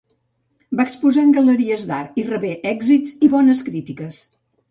Va exposar en galeries d'art, i rebé èxits i bones crítiques.